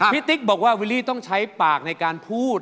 ติ๊กบอกว่าวิลลี่ต้องใช้ปากในการพูด